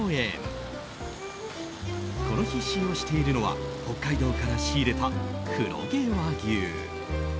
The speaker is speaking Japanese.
この日使用しているのは北海道から仕入れた黒毛和牛。